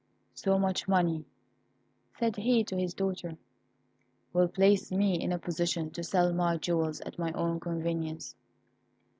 "So much money," said he to his daughter, "will place me in a position to sell my jewels at my own convenience.